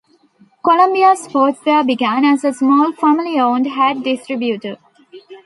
Columbia Sportswear began as a small, family-owned hat distributor.